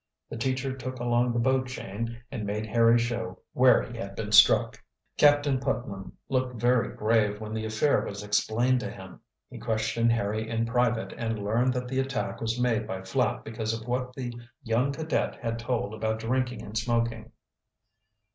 The teacher took along the boat chain and made Harry show where he had been struck. Captain Putnam looked very grave when the affair was explained to him. He questioned Harry in private and learned that the attack was made by Flapp because of what the young cadet had told about drinking and smoking.